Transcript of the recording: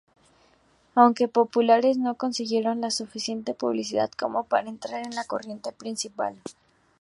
Aunque populares, no consiguieron la suficiente publicidad como para entrar en la corriente principal.